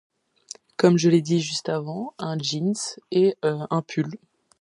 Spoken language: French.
Comme je l'ai dit juste avant, un jeans et un pull.